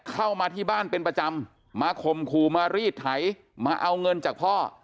เข้ามาที่บ้านเป็นประจำมาข่มขู่มารีดไถมาเอาเงินจากพ่อ